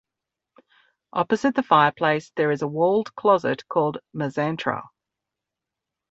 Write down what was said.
Opposite the fireplace there is a walled closet called "mesantra".